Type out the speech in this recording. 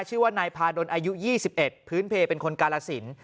ชื่อว่านายพาดลอายุ๒๑พื้นเพลเป็นคนกาลสิน